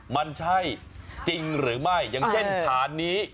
มันใช่จริงหรือไม่อย่างเช่นฐานนี้